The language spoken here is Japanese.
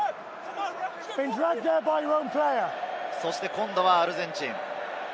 今度はアルゼンチン。